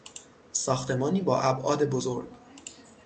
ساختمانی با ابعاد بزرگ